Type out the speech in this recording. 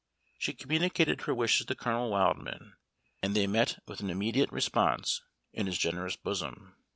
She communicated her wishes to Colonel Wildman, and they met with an immediate response in his generous bosom.